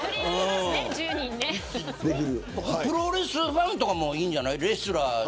プロレスファンとかもいいんじゃない。